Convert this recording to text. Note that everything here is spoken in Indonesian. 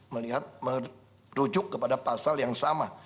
melihat merujuk kepada pasal yang sama